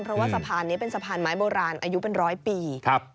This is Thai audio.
เพราะว่าสะพานนี้เป็นสะพานไม้โบราณอายุเป็นร้อยปีครับ